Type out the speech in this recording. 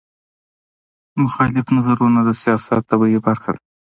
مخالف نظرونه د سیاست طبیعي برخه ده